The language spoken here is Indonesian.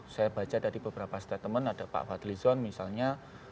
saya baca dari beberapa statement ada pak fadlizon misalnya